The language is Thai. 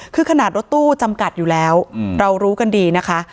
คือขนาดรถตู้จำกัดอยู่แล้วเรารู้กันดีนะคะ